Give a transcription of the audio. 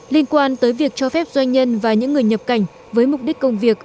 liên quan tới việc cho phép doanh nhân và những người nhập cảnh với mục đích công việc